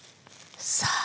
さあ。